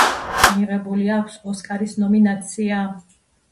მიღებული აქვს ოსკარის ნომინაცია.